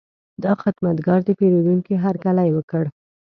دا خدمتګر د پیرودونکي هرکلی وکړ.